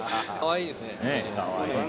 かわいいですね。